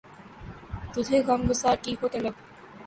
تجھے غم گسار کی ہو طلب